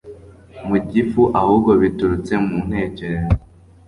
mu gifu ahubwo biturutse mu ntekerezo